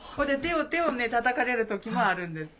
手をたたかれる時もあるんです。